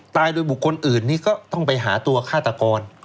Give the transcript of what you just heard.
โดยบุคคลอื่นนี้ก็ต้องไปหาตัวฆาตกร